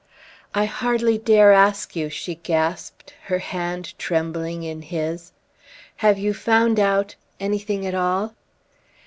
"I hardly dare ask you!" she gasped, her hand trembling in his. "Have you found out anything at all?"